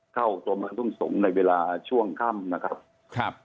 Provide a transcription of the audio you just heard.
เข้าตัวเมืองทุ่งสงศ์ในเวลาช่วงค่ำนะครับครับ